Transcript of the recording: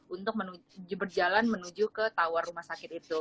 untuk berjalan menuju ke tower rumah sakit itu